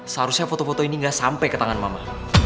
seharusnya foto foto ini gak sampai ke tangan mama